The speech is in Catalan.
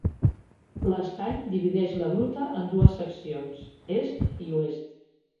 L'estany divideix la gruta en dues seccions: est i oest.